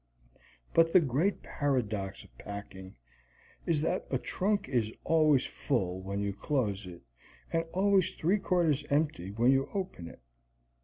But the great paradox of packing is that a trunk is always full when you close it and always three quarters empty when you open it.